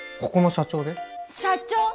社長！？